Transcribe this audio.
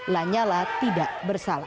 lanyala tidak bersalah